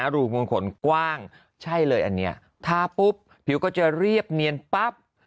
รูมงคลกว้างใช่เลยอันนี้ทาปุ๊บผิวก็จะเรียบเนียนปั๊บ